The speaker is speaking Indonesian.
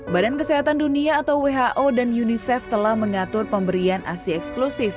badan kesehatan dunia atau who dan unicef telah mengatur pemberian asi eksklusif